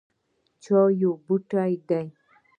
چای یو بوټی دی